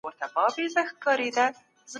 تجاران به پانګونه زياته کړي.